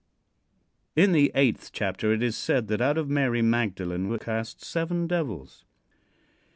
In the eighth chapter it is said that out of Mary Magdalene were cast seven devils.